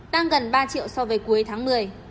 tăng gần ba triệu so với cuối tháng một mươi